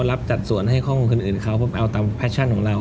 รับจัดสวนให้ห้องคนอื่นเขาผมเอาตามแพชชั่นของเรา